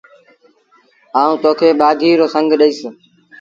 آئوٚݩ تو کي ٻآگھيٚ رو سنڱ ڏئيٚس ۔